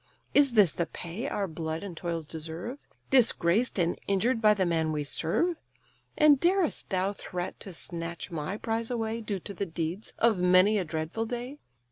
Is this the pay our blood and toils deserve; Disgraced and injured by the man we serve? And darest thou threat to snatch my prize away, Due to the deeds of many a dreadful day?